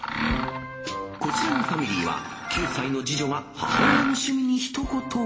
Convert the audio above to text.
こちらのファミリーは、９歳の次女が母親の趣味にひと言。